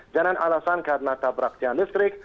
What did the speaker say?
jangan alasan karena tabrak tiang listrik